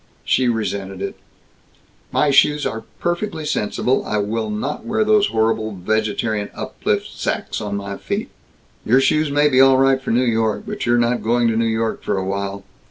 She resented it: "My shoes are perfectly sensible! I will not wear those horrible vegetarian uplift sacks on my feet!" "Your shoes may be all right for New York, but you're not going to New York for a while.